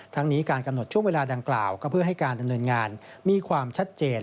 ทั้งนี้การกำหนดช่วงเวลาดังกล่าวก็เพื่อให้การดำเนินงานมีความชัดเจน